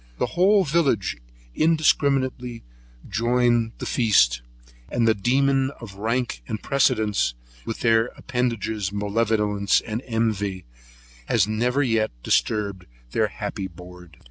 The whole village indiscriminately join the feast; and the demon of rank and precedence, with their appendages malevolence and envy, has never yet disturbed their happy board.